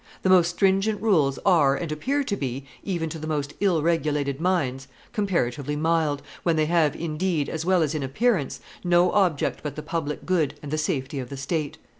The most stringent rules are and appear to be, even to the most ill regulated minds, comparatively mild, when they have, in deed as well as in appearance, no object but the public good and the safety of the state.